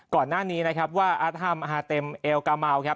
ก่อนหน้านี้นะครับว่าอาธารณ์มหาเต็มเอลกาเมา